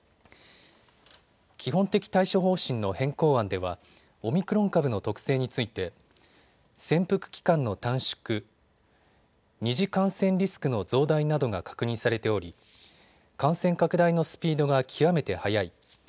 基本的対処方針の変更案ではオミクロン株の特性について潜伏期間の短縮、二次感染リスクの増大などが確認されており感染拡大のスピードが極めて速い。